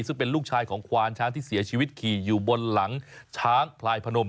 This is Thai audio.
ซึ่งเป็นลูกชายของควานช้างที่เสียชีวิตขี่อยู่บนหลังช้างพลายพนม